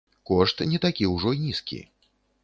Кошт не такі ўжо нізкі.